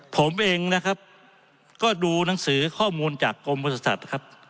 ผมเองนะครับก็ดูหนังสือข้อมูลจากกรมบริษัทครับ